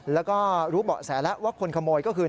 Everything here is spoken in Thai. แล้วก็รู้เบาะแสแล้วว่าคนขโมยก็คือ